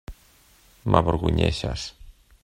M'avergonyeixes.